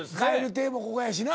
蛙亭もここやしな。